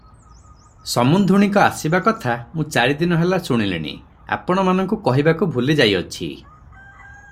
ସମୁନ୍ଧୁଣୀଙ୍କ ଆସିବା କଥା ମୁଁ ଚାରିଦିନ ହେଲା ଶୁଣଲିଣି, ଆପଣମାନଙ୍କୁ କହିବାକୁ ଭୁଲିଯାଇଅଛି ।